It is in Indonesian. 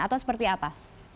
atau seperti apa